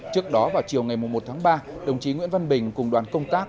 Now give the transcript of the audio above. trước đó vào chiều ngày một tháng ba đồng chí nguyễn văn bình cùng đoàn công tác